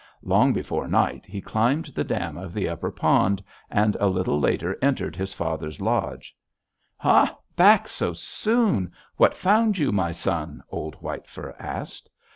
Long before night he climbed the dam of the upper pond, and a little later entered his father's lodge. 'Ha! Back so soon! What found you, my son?' old White Fur asked.